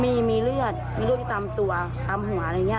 มีเลือดมีเลือดตามตัวตามหัวอะไรอย่างนี้